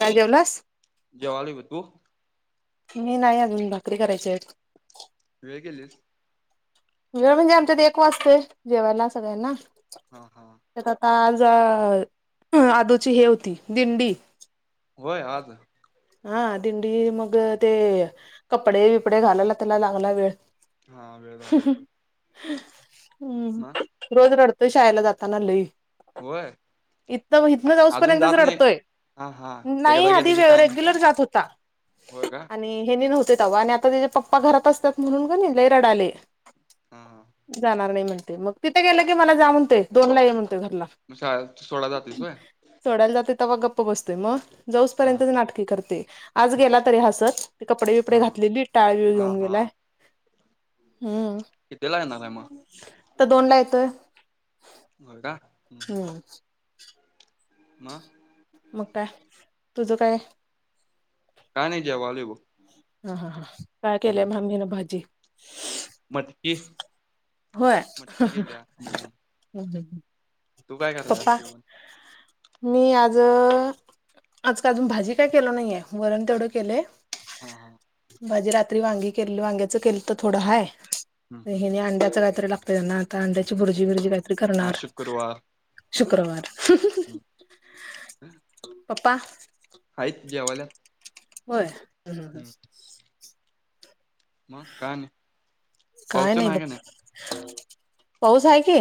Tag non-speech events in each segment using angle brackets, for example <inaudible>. काय जेवलास जेवायलो बघ तू. मी नाही अजून भाकरी करायचे आहेत. वेळ केेलीस? वेळ म्हणजे आमच्यात एक वाजतोय जेवायला सगळ्यांना हा हा. त्यात आता आज आदूची हे होती दिंडी. होय आज? हा दिंडी मग ते कपडे बिपडे घालायला त्याला लागला वेळ. हा वेळ झाला असेल. हम्म मग रोज रडतोय शाळेला जाताना लई. होय इथ इथन जाऊस अजून पर्यंतच जात नाही रडतोय हा हा नाही एकदा आधी गेलं की व्ये काय नाही का उलट जात होता होय का आणि हेणी न्हवते तवा आणि आत आता त्याचे पप्पा घरात असतात म्हणून कणी लई रडालय. हां हां. जाणार नाही म्हणतोय मग तिथे गेलं की मला जा म्हणतोय दोन ला ये म्हणतोय घरला. म शाळेत सोडायला जातीस व्हय? सोडायला जातोय तवा गप्प बसतोय म जाऊस हा पर्यंतच हा नाटक की करतय आज गेला तरी हासत ते कपडे बिपडे हा घातलेली टाळबीळ हा घेऊन गेलाय हा हम्म कितीला येणार आहे मग त दोनला येतोय. ओरडा हम्म. मं? मग काय? तुझं काय? काय नाही जेवालोय बघ. हां हां हां हां काय केलंय हम्म मम्मी न भाजी? मटकी होय? मटकी केल्या हम्म तू काय कराल्यास पप्पा जेवण? मी आज-आज काय अजून भाजी काय केलो नाही हाय वरण तेवढं केलंय हा हा. भाजी रात्री वांगी केलेलो वांग्याचं केलंत थोडं हाय हम्म हम्म हेने अंड्याच काहीतरी लागतय त्यांना आता अंड्याची भुर्जी बुरजी काहीतरी आज करणार शुक्रवार शुक्रवार. <inaudible> पप्पा? हायीत जेवाल्यात. होय? मग काय नाही काय पाऊस तेन नाही हाय बघ. का पाऊस आहे की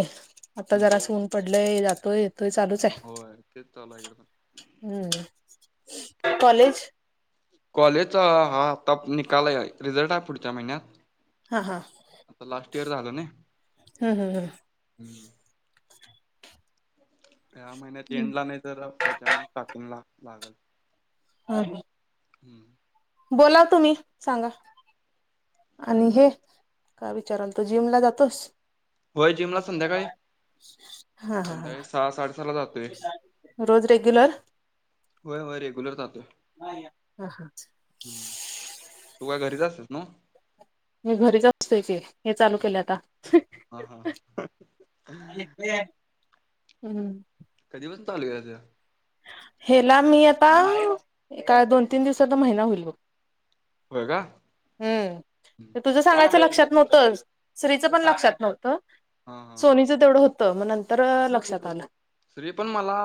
आता हम्म जरास ऊन पडलय जातोय येतोय चालूच हाय होय तेच चालू हाय हिकडं पण. हम्म. कॉलेज? कॉलेजचा हा आता निकाल हाय रिझल्ट हाय पुढच्या महिन्यात हां हां. आता लास्ट इयर झालं नाही. हम्म हम्म हम्म. हम्म. ह्या महिन्यात हम्म एंडला नाही तर पुढच्या महिन्यात स्टार्टिंग ला लागल. <unintelligible> हम्म बोला तुम्ही सांगा आणि हे काय विचारलतो जिमला जातोस होय जिमला संध्याकाळी हा हा हा संध्याकाळी सहा साडे सहा ला जातोय रोज रेग्युलर होय होय रेग्युलर जातोय ह हा <unintelligible> हम् तू काय घरीच असतोस नव्ह मी घरीच असतोय की हे चालू केलंय आता.. हं ह हा हा ह न्हाय निघतय काय हम्म कधी पासून चालू केल्यास जाॅब हेला मी आता एका दोन तीन दिवसात महिना होईल बघ होय का हम्म तुझं सांगायचं लक्षात नव्हतंच श्रीच पण लक्षात नव्हतं हा हा सोनीचं तेवढं होतं मग नंतर. अ लक्षात आलं श्री पण मला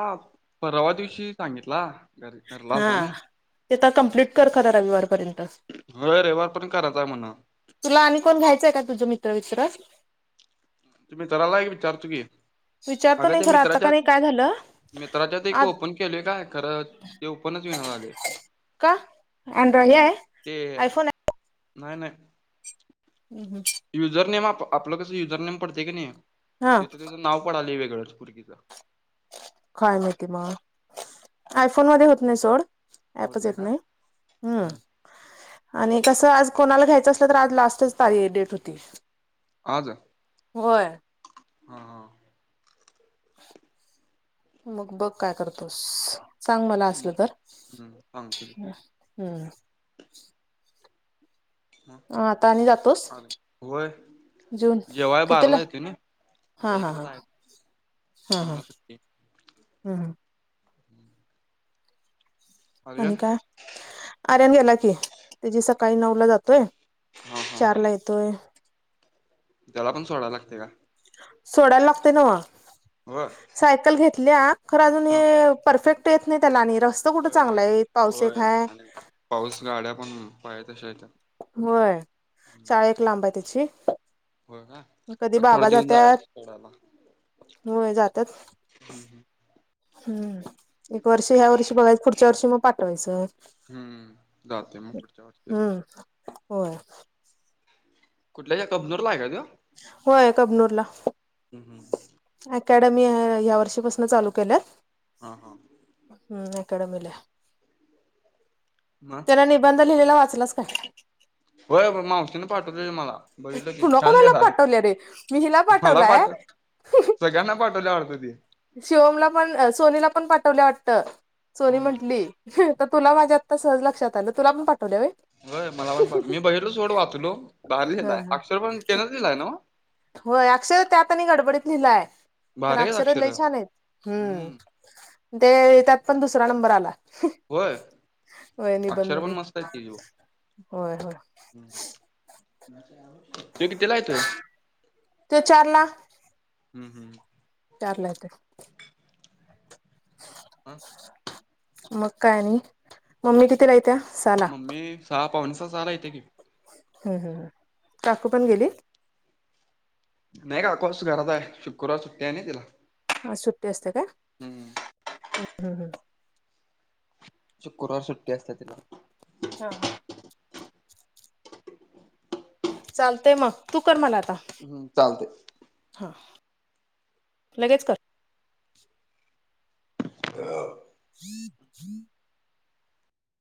परवा दिवशी सांगितला घर अ घरला हा आलता ना ते तर कम्प्लीट कर खरं रविवारपर्यंतच हो रविवार पर्यंत करायचा आहे म्हणं तुला आणि कोण घ्यायचंय का तुझं मित्र वित्र ते मित्राला एक विचारतो की विचारतो अगं नाही ते खरं आता का मित्राच्यात नाही काय झालं मित्राच्यात एक आज ओपन केलय काय खरं ते ओपणच होईना झालय का ॲन्ड हे आहे आयफोन आहे नाही नाही हम् हम् ते युजरनेम आप आपलं कसं युजरनेम पडतय की नाही हा तिथं त्येचं नाव पडालंय वेगळच पोरगीच काय माहिती मग आयफोन मध्ये होत नाही सोड होत ॲपच येत का नाही हम्म आणि कसं आज कोणाला घ्यायचं असलं तर आज लास्टच ता हे डेट होती आज होय हा हा मग बघ काय करतोस सांग मला बघ असलं तर हम्म सांगतो की मग हं आता आणि मग जातोस अर होय जून जेवाय कितीला बाराला येतोय नाही आता हा हा एकला हा हा जायाच तीनला सुट्टी हम आर्यन आणि काय आरयन गेला कि ते जे सकाळी नऊ ला जातोय हा हा चार ला येतोय मग त्याला पण सोडाय लागतय काय सोडायला लागतय न्हवं होय सायकल घेतल्या खरं अजून हा हे परफेक्ट येत नाही त्याला आणि रस्त कुठं होय होय चांगलं होय हाईत पावसात होय ह्या आणि पाऊस गाड्या पण पायजे तश्या येतात होय शाळा एक लांब आहे त्याची हो ना कधी बाबा जात्यात होय जात्यात. हम्म वर्ष ह्या वर्षी बघायचं पुढच्या वर्षी मग पाठवायचं. हम्म जाते मग पुढच्या वर्षी काय हम्म होय कुठल्या ह्या कबनूर ला आहे का तो होय कबनूर ला हम्म हम्म अकॅडमी हाय या वर्षीपासून चालू केल्यात. हा हा हम्म अकॅडमी ला म त्याला निबंध लिहिलेला वाचलाच काय होय मावशीने पाठवलेली मला बघीलकी कुणा छान कुणाला लिहलाय. पाठवल्या रे मी हिला मला पाठवलाय पाठव सगळ्यांना पाठवल्या वाटत ती शिवमला पण सोनीला पण पाठवल्या वाटत सोनी हम्म म्हंटली. तर तुला माझ्या आत्ता सहज लक्षात आलं तुला पण पाठवल्या होय होय मला पण पाट मी बघितलो सोड वाचलो भारी हा लिहिलाय हा अक्षर पण तेनच लिहिलाय नव होय अक्षर त्यातनी गडबडीत लिहिलाय. खरं भारी हैत लय अक्षर छान हैत हम्म ते त्यात पण दुसरा नंबर आला. होय होय निबंध अक्षर पण मध्ये मस्त आहेत तीजी होय होय तो कितीला येतोय. तो चारला हम् हम् चारला येतो. हा मग काय आणि मम्मी किती ला येत्या साहाला मम्मी सहा पावनेसहा सहा ला येत्या की हम्म हम्म काकू पण गेली. नाही काकू आज घरात हाय शुक्रवार सुट्टी आहे ना तिला आज सुट्टी असते काय हम्म हम् हम हम शुक्रवार सुट्टी असते तिला हा हा चालतय मग तू कर म्हणा आता हम्म चालतय. हा लगेच कर <unintelligible> <unintelligible>